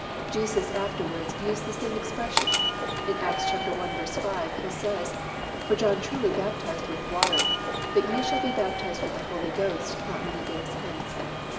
Jesus afterwards used the same expression. In Acts i. 5, He says, "For John truly baptized with water; but ye shall be baptized with the Holy Ghost not many days hence."